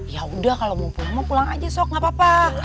yaudah kalau mau pulang mau pulang aja sok gapapa